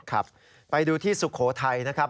ครับไปดูที่สุโขทัยนะครับ